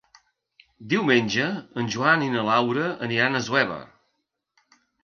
Diumenge en Joan i na Laura aniran a Assuévar.